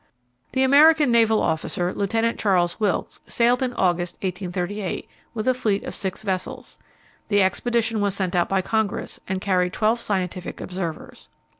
The American naval officer, Lieutenant Charles Wilkes, sailed in August, 1838, with a fleet of six vessels. The expedition was sent out by Congress, and carried twelve scientific observers.